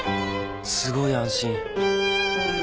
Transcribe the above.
すごい安心